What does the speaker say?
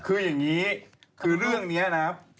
คืออย่างนี้คือเรื่องนี้นะครับ